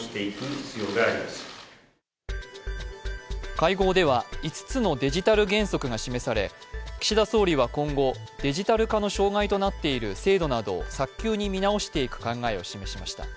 会合では５つのデジタル原則が示され岸田総理は今後、デジタル化の障害となっている制度などを早急に見直していく考えを示しました。